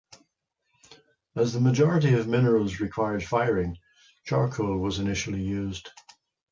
As the majority of minerals required firing, charcoal was initially used.